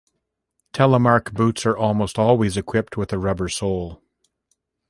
Telemark boots are almost always equipped with a rubber sole.